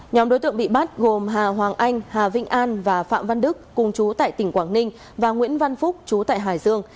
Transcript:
nhóm đối tượng bị bắt gồm hà hoàng anh hà vinh an và phạm văn đức cùng chú tại tỉnh quảng ninh và nguyễn văn phúc chú tại hải dương